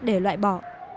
để loại bỏ